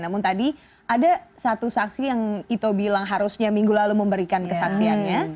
namun tadi ada satu saksi yang ito bilang harusnya minggu lalu memberikan kesaksiannya